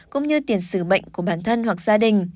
cũng như tiền sử bệnh của bản thân hoặc gia đình